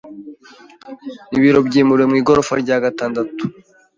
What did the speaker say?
Ibiro byimuriwe mu igorofa rya gatandatu.